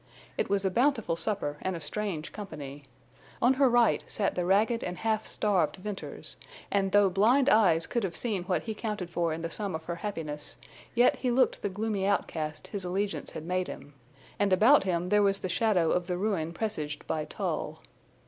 It was a bountiful supper and a strange company. On her right sat the ragged and half starved Venters; and though blind eyes could have seen what he counted for in the sum of her happiness, yet he looked the gloomy outcast his allegiance had made him, and about him there was the shadow of the ruin presaged by Tull.